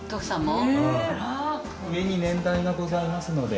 上に年代がございますので。